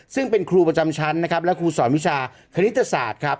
ซึ่งเป็นครูประจำชั้นนะครับและครูสอนวิชาคณิตศาสตร์ครับ